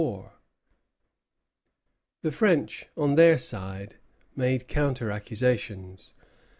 The French on their side made counter accusations.